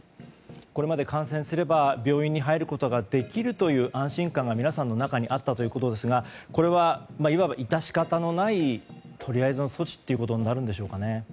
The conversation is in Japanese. これまで感染すれば病院に入ることができるという安心感が皆さんの中にあったということですがこれはいわば致し方のないとりあえずの措置ということになるんでしょうか。